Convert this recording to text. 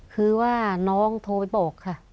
คือว่าน้องโทรไปบอกค่ะ